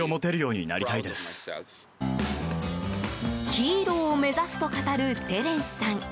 ヒーローを目指すと語るテレンスさん。